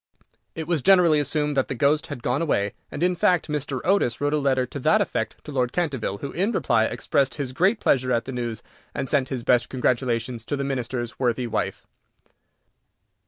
It was generally assumed that the ghost had gone away, and, in fact, Mr. Otis wrote a letter to that effect to Lord Canterville, who, in reply, expressed his great pleasure at the news, and sent his best congratulations to the Minister's worthy wife.